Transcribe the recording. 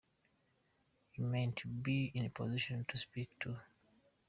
You might be in a position to speak to .